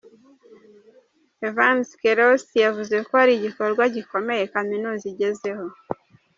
Evans Kerosi, yavuze ko ari igikorwa gikomeye kaminuza igezeho.